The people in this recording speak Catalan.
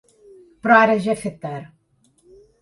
Però ara ja he fet tard.